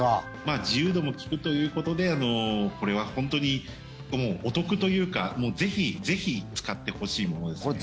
自由度も利くということでこれは本当にお得というかぜひぜひ使ってほしいものですね。